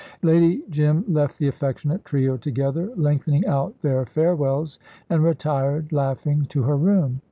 Lady Jim left the affectionate trio together, lengthening out their farewells, and retired, laughing, to her room.